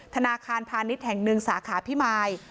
ธนาคารพาณิชย์แห่งหนึ่งสาขาพิมาย